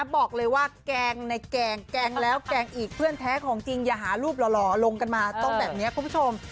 บอกเลยว่าแกงในแกงแกงแล้วแกงอีกเพื่อนแท้ของจริงอย่าหารูปหล่อลงกันมาต้องแบบนี้คุณผู้ชม